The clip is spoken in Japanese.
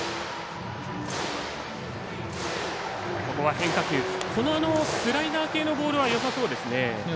変化球スライダー系のボールはよさそうですね。